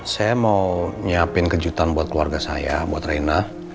saya mau nyiapin kejutan buat keluarga saya buat reina